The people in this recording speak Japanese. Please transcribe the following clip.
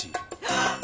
あっ！